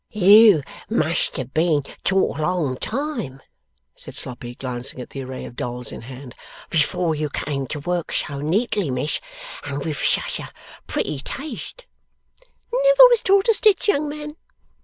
'You must have been taught a long time,' said Sloppy, glancing at the array of dolls in hand, 'before you came to work so neatly, Miss, and with such a pretty taste.' 'Never was taught a stitch, young man!